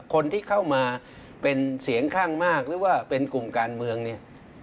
คนที่เข้ามาเป็นเสียงข้างมากหรือว่าเป็นกลุ่มการเมืองเนี่ย